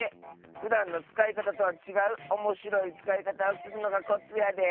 ふだんのつかいかたとはちがうおもしろいつかいかたをするのがコツやで。